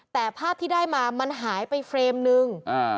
แต่ภาพที่ได้มามันหายไปเฟรมนึง